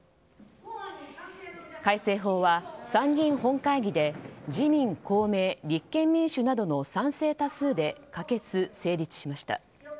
改正法は参議院本会議で自民、公明、立憲民主などの賛成多数で可決・成立しました。